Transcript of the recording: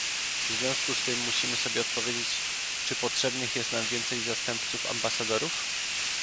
W związku z tym musimy sobie odpowiedzieć, czy potrzebnych jest nam więcej zastępców ambasadorów?